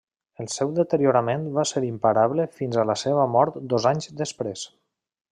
El seu deteriorament va ser imparable fins a la seva mort dos anys després.